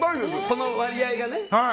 この割合がね。